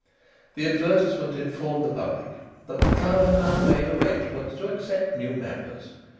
The advertisement informed the public that the club had now made arrangements to accept new members.